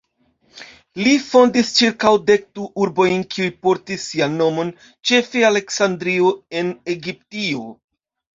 Li fondis ĉirkaŭ dekdu urbojn kiuj portis sian nomon, ĉefe Aleksandrio en Egiptio.